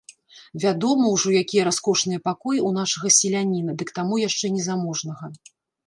Вядома ўжо, якія раскошныя пакоі ў нашага селяніна, ды к таму яшчэ незаможнага.